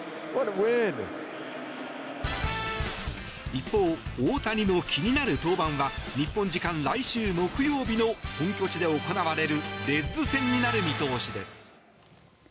一方、大谷の気になる登板は日本時間来週木曜日の本拠地で行われるレッズ戦になる見通しです。